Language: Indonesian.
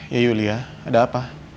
ya yulia ada apa